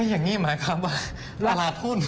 อย่างนี้หมายความว่าลาลาทุน